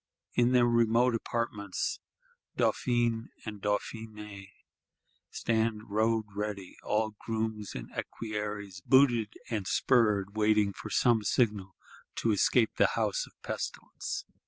In their remote apartments, Dauphin and Dauphiness stand road ready; all grooms and equerries booted and spurred: waiting for some signal to escape the house of pestilence.